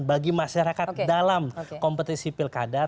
bagi masyarakat dalam kompetisi pilkada